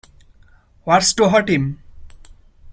What's to hurt him!